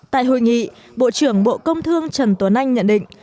tại hội nghị bộ trưởng bộ công thương trần tuấn anh nhận định